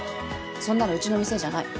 そんなのうちの店じゃない。